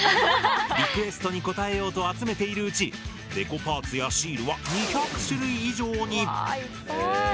リクエストに応えようと集めているうちデコパーツやシールはわあいっぱい。